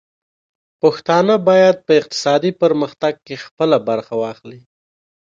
پښتانه بايد په اقتصادي پرمختګ کې خپله برخه واخلي.